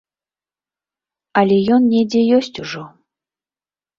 Але ён недзе ёсць ужо.